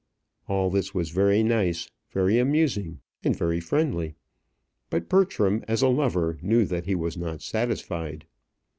All this was very nice, very amusing, and very friendly. But Bertram, as a lover, knew that he was not satisfied.